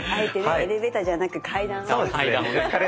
エレベーターじゃなく階段でね。